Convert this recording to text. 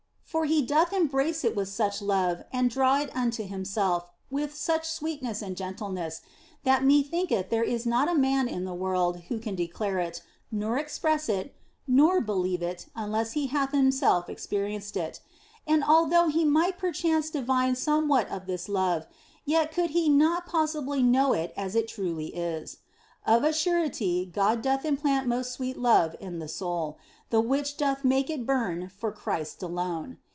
For He doth embrace it with such love and draw it unto Himself with such sweetness and gentle 28 THE BLESSED ANGELA ness that methinketh there is not a man in the world who can declare it, nor express it, nor believe it unless he hath himself experienced it ; and although he might perchance divine somewhat of this love, yet could he not possibly know it as it truly is. Of a surety, God doth implant most sweet love in the soul, the which doth make it burn for Christ alone.